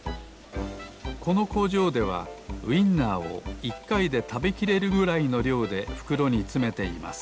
このこうじょうではウインナーを１かいでたべきれるぐらいのりょうでふくろにつめています